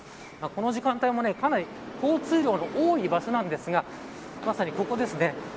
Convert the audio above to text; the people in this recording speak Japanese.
この時間帯もかなり交通量の多い場所なんですがまさにここですね。